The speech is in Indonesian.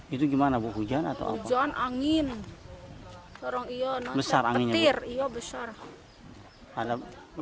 itu gimana bu hujan atau apa